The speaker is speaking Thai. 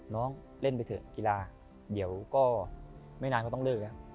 เล่นไปเถอะกีฬาเดี๋ยวก็ไม่นานก็ต้องเลิกแล้ว